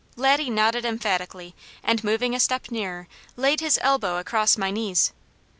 Laddie nodded emphatically and moving a step nearer laid his elbow across my knees.